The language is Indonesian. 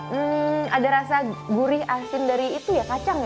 hmm ada rasa gurih asin dari itu ya kacang ya